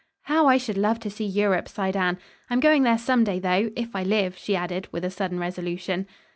"How I should love to see Europe," sighed Anne. "I'm going there some day, though, if I live," she added with a sudden resolution.